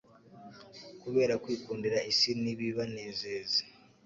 Kubera kwikundira isi n'ibibanezeza,